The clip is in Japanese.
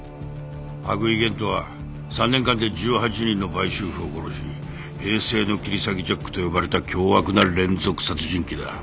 羽喰玄斗は３年間で１８人の売春婦を殺し平成の切り裂きジャックと呼ばれた凶悪な連続殺人鬼だ。